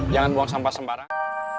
jangan buang sampah sembarang